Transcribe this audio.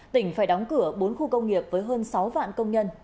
tỉnh phải đóng cửa bốn khu công nghiệp với hơn sáu vạn công nhân